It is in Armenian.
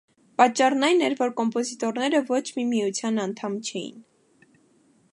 Պատճառն այն էր, որ կոմպոզիտորները ոչ մի միության անդամ չէին։